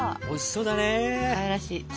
おいしそうだね。